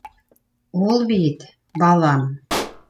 Ул бит... балам!